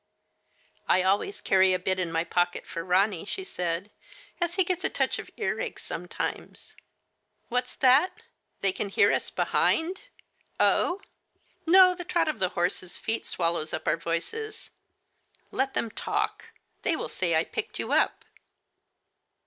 " I always carry a bit in my pocket for Ronny," she said, " as he gets a touch of earache some times. What's that ? They can hear us behind ? Oh ? no, the trot of the horses' feet swallows up Digitized by Google 8 THE FA TE OF FENELLA, our voices. Let them talk. They will say I picked you up